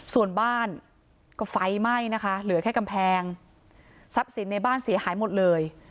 ส่วนบ้านก็ไฟไหม้นะคะเหลือแค่กำแพงทรัพย์สินในบ้านเสียหายหมดเลย